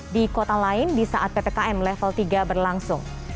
di kota lain di saat ppkm level tiga berlangsung